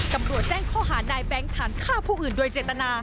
ตำรวจแจ้งข้อหานายแบงค์ฐานฆ่าผู้อื่นโดยเจตนา